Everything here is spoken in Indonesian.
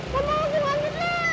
kamu mau ke rumah gue